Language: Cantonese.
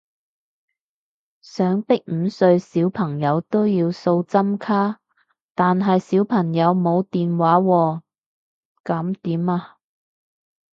想逼五歲小朋友都要掃針卡，但係小朋友冇電話喎噉點啊？